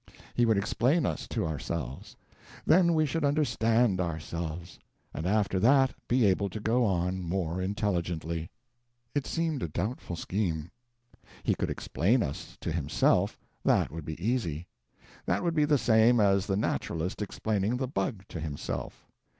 He would explain us to ourselves. Then we should understand ourselves; and after that be able to go on more intelligently. It seemed a doubtful scheme. He could explain us to himself that would be easy. That would be the same as the naturalist explaining the bug to himself.